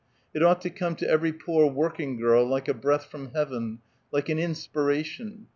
It ought to come to every poor working girl like a breath from heaven, like an inspiration.